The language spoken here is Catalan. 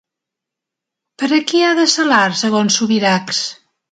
Per a qui ha de ser l'art segons Subirachs?